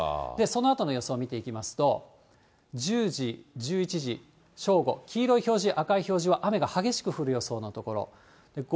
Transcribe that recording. そのあとの予想を見ていきますと、１０時、１１時、正午、黄色い表示、赤い表示は雨が激しく降る予想の所。